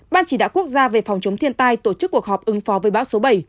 ban chỉ đạo quốc gia về phòng chống thiên tai tổ chức cuộc họp ứng phó với bão số bảy